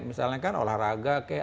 misalnya kan olahraga kek